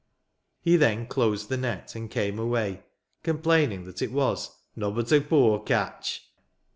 He then closed the net, and came away, complaining that it was "nobbut a poor catch."